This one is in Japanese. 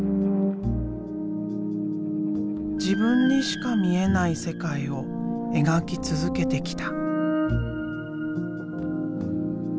自分にしか見えない世界を描き続けてきた。